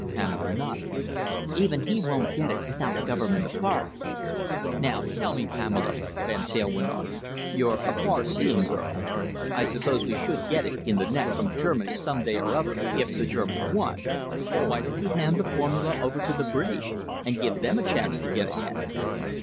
Pamela nodded. "Even he won't get it without Government authority." "Now, tell me, Pamela," Van Teyl went on "you're a far seeing girl I suppose we should get it in the neck from Germany some day or other, if the Germans won? Why don't you hand the formula over to the British, and give them a chance to get ahead?"